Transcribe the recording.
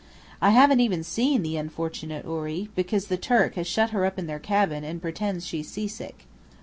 I haven't even seen the unfortunate houri, because the Turk has shut her up in their cabin and pretends she's seasick.